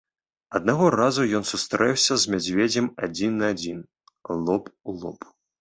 Аднаго разу ён сустрэўся з мядзведзем адзін на адзін, лоб у лоб.